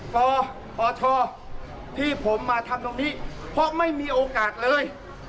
ปปชที่ผมมาทำตรงนี้เพราะไม่มีโอกาสเลย